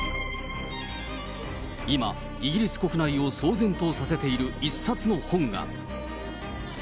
今、イギリス国内を騒然とさせている一冊の本が。